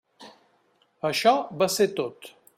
Això va ser tot.